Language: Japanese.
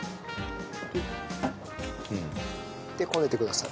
でこねてください。